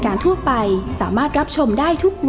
แอร์โหลดแล้วคุณล่ะโหลดแล้ว